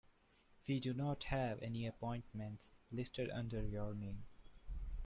We do not have any appointments listed under your name.